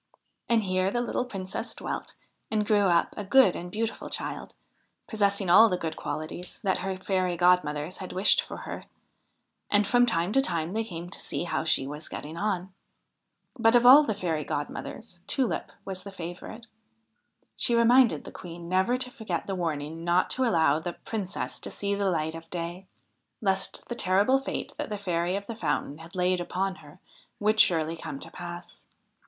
And here the little Princess dwelt and grew up a good and beautiful child, possessing all the good qualities that her fairy godmothers had wished for her ; and from time to time they came to see how she was getting on. But, of all the fairy godmothers, Tulip was the favourite. She reminded the Queen never to forget the warning not to allow the Princess to see the light of day, lest the terrible fate that the Fairy of the Fountain had laid upon her would surely come to pass.